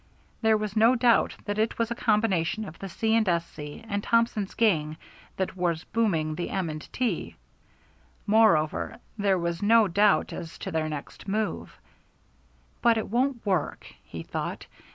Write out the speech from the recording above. There was no doubt that it was a combination of the C. & S.C. and Thompson's gang that was booming the M. & T. Moreover there was no doubt as to their next move. "But it won't work," he thought.